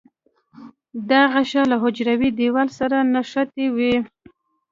دا غشا له حجروي دیوال سره نښتې وي.